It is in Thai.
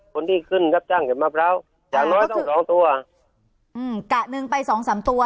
คนที่ขึ้นรับจ้างเก็บมะพร้าวอย่างน้อยต้องสองตัวอืมกะหนึ่งไปสองสามตัว